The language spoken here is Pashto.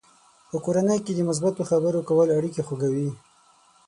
په کورنۍ کې د مثبتو خبرو کول اړیکې خوږوي.